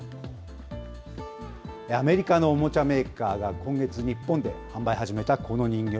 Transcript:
アメリカのおもちゃメーカーが今月、日本で販売を始めたこの人形。